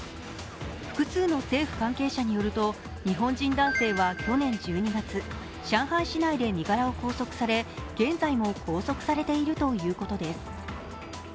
複数の政府関係者によると、日本人男性は去年１２月、上海市内で身柄を拘束され現在も拘束されているということです。